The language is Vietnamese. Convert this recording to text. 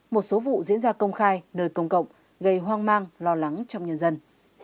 một số vụ diễn ra công khai nơi công cộng gây hoang mang lo lắng trong nhân dân